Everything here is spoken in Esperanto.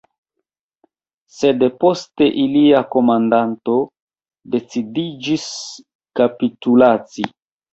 Sed poste ilia komandanto decidiĝis kapitulaci.